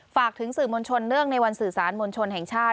ฝากถึงสื่อมวลชนเนื่องในวันสื่อสารมวลชนแห่งชาติ